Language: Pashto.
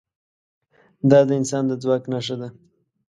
دا د انسان د ځواک نښه ده.